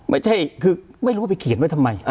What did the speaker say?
ไม่ใช่คือไม่รู้ว่าไปเขียนไว้ทำไม